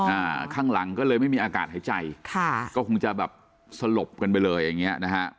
อ่าข้างหลังก็เลยไม่มีอากาศหายใจค่ะก็คงจะแบบสลบกันไปเลยอย่างเงี้ยนะฮะ